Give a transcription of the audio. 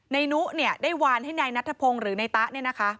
ในนู้นได้วานให้นายนัทธพงศ์หรือนายต๊ะนี่นะคะ